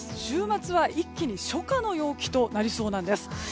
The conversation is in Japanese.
週末は一気に初夏の陽気となりそうです。